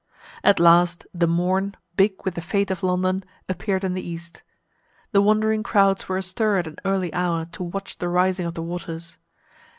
At last the morn, big with the fate of London, appeared in the east. The wondering crowds were astir at an early hour to watch the rising of the waters.